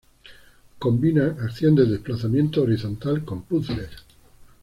Combina acción de desplazamiento horizontal con puzles.